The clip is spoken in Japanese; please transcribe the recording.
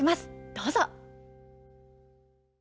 どうぞ。